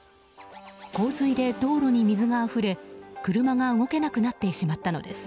洪水で道路に水があふれ車が動けなくなってしまったのです。